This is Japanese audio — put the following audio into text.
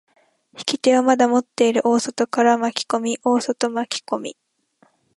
引き手をまだ持っている大外から巻き込み、大外巻き込み。